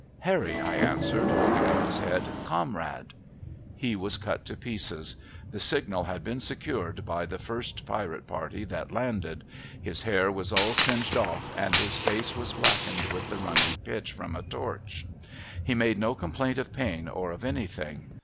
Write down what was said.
' Harry !' I answered, holding up his head. ' Comrade !' He was cut to pieces. The signal had been secured by the first l)irate party that landed ; his hair was all singed off, and his face was blackened with the running pitch from a torch. He made no complaint of pain, or of anything.